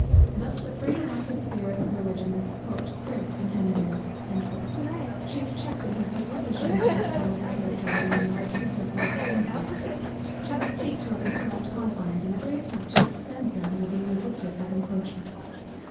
Thus the free and active spirit of Religion is "cribbed and hemmed in;" she is checked in her disposition to expand her territory, and enlarge the circle of her influence. She must keep to her prescribed confines, and every attempt to extend them will be resisted as an encroachment.